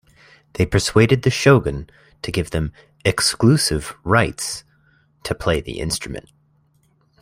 They persuaded the Shogun to give them "exclusive rights" to play the instrument.